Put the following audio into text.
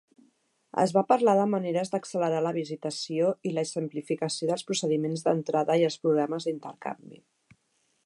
Es va parlar de maneres d'accelerar la Visitació i la simplificació dels procediments d'entrada i els programes d'intercanvi.